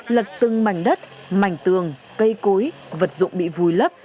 lật từng mảnh đất mảnh tường cây cối vật dụng bị vùi lấp